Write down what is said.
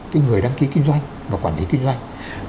cái người đăng ký kinh doanh và quản lý kinh doanh